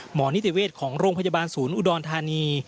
นิติเวชของโรงพยาบาลศูนย์อุดรธานี